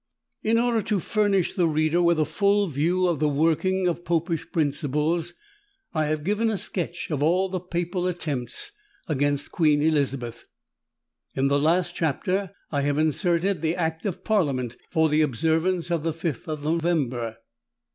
In order to furnish the reader with a full view of the working of Popish principles, I have given a sketch of all the Papal attempts against Queen Elizabeth. In the last chapter I have inserted the Act of Parliament for the Observance of the Fifth of November.